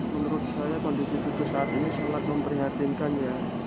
menurut saya kondisi tubuh saat ini sangat memprihatinkan ya